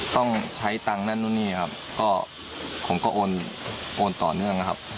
ต้องใช้ตังค์นั่นนู่นนี่ครับก็ผมก็โอนต่อเนื่องนะครับ